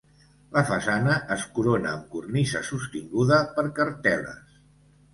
La façana es corona amb cornisa sostinguda per cartel·les.